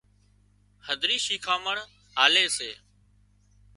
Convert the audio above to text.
هڌرِي شيکامڻِ آلي سي